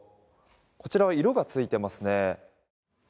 こちらは色がついてますね。